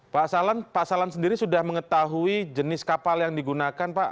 pak salam pak salam sendiri sudah mengetahui jenis kapal yang digunakan pak